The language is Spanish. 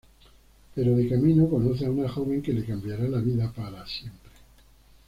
Pero de camino conoce a una joven que le cambiará la vida para siempre…